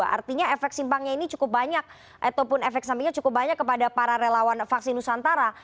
artinya efek simpangnya ini cukup banyak ataupun efek sampingnya cukup banyak kepada para relawan vaksin nusantara